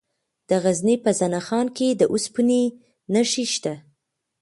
د غزني په زنه خان کې د اوسپنې نښې شته.